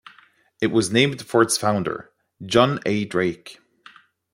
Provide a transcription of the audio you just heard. It was named for its founder, John A. Drake.